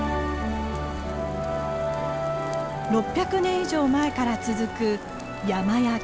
６００年以上前から続く山焼き。